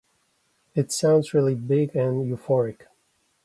It sounds really big and euphoric.